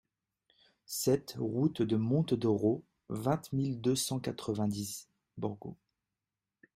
sept route du Monte d'Oro, vingt mille deux cent quatre-vingt-dix Borgo